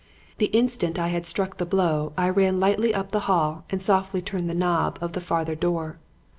The instant I had struck the blow I ran lightly up the hall and softly turned the knob of the farther door.